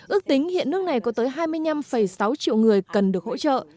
ước tính hiện nước này có tới hai mươi năm sáu triệu người cần được hỗ trợ